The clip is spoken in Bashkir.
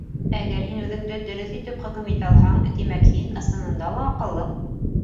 Әгәр һин үҙеңде дөрөҫ итеп хөкөм итә алһаң, тимәк һин, ысынында ла аҡыллы.